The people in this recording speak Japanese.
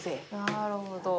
なるほど。